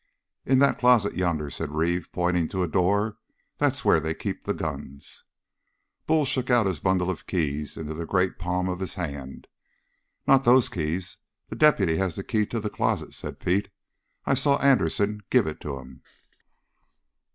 "In that closet, yonder," said Reeve, pointing to a door. "That's where they keep the guns." Bull shook out his bundle of keys into the great palm of his hand. "Not those keys the deputy has the key to the closet," said Pete. "I saw Anderson give it to him."